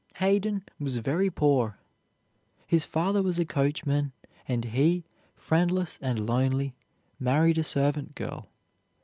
Haydn was very poor; his father was a coachman and he, friendless and lonely, married a servant girl.